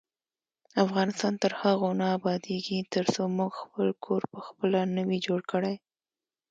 افغانستان تر هغو نه ابادیږي، ترڅو موږ خپل کور پخپله نه وي جوړ کړی.